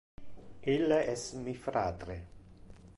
Ille es mi fratre.